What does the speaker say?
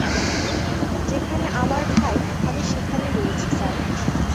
যেখানে আমার ঠাই, আমি সেখানেই রয়েছি, স্যার।